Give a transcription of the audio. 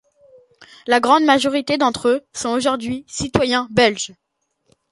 La grand majorité d'entre eux sont aujourd'hui citoyens belges.